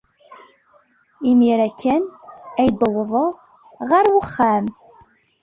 Imir-a kan ay d-wwḍeɣ ɣer uxxam.